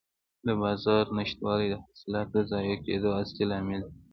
د بازار نشتوالی د حاصلاتو ضایع کېدو اصلي لامل دی.